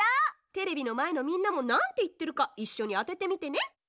テレビのまえのみんなもなんていってるかいっしょにあててみてね。